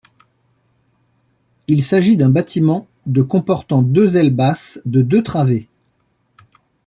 Il s'agit d'un bâtiment de comportant deux ailes basses de deux travées.